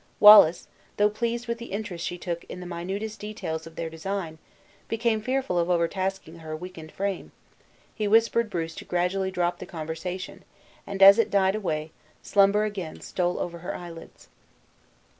Wallace, though pleased with the interest she took in even the minutest details of their design, became fearful of overtasking her weakened frame; he whispered Bruce to gradually drop the conversation; and, as it died away, slumber again stole over her eyelids.